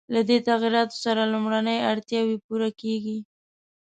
له دې تغییراتو سره لومړنۍ اړتیاوې پوره کېږي.